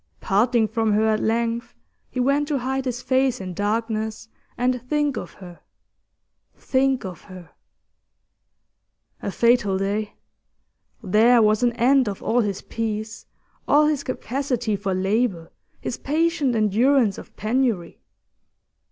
Parting from her at length, he went to hide his face in darkness and think of her think of her. A fatal day. There was an end of all his peace, all his capacity for labour, his patient endurance of penury.